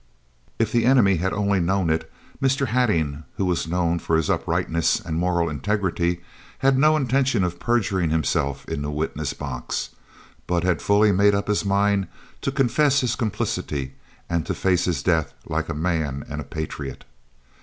If the enemy had only known it, Mr. Hattingh, who was known for his uprightness and moral integrity, had no intention of perjuring himself in the witness box, but had fully made up his mind to confess his complicity and to face his death like a man and a patriot.